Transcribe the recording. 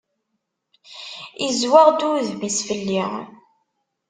Izzweɣ-d udem-is fell-i.